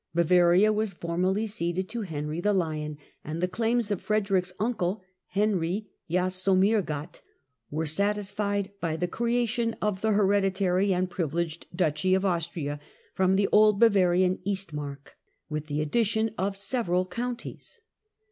Bavaria was formally ceded to Henry the Lion, and the claims of Frederick's uncle, Henry Jasomir gott, were satisfied by the creation of the hereditary and privileged duchy of Austria from the old Bavarian East Mark (see p. 16) with the addition of certain counties.